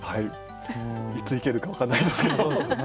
いつ行けるか分かんないですけど。